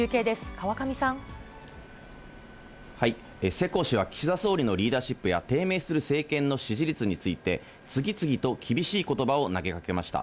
川上さん。世耕氏は岸田総理のリーダーシップや低迷する政権の支持率について、次々と厳しいことばを投げかけました。